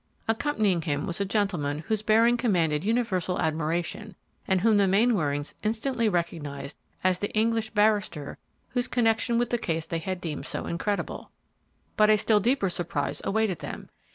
Accompanying him was a gentleman whose bearing commanded universal admiration, and whom the Mainwarings instantly recognized as the English barrister whose connection with the case they had deemed so incredible. But a still deeper surprise awaited them.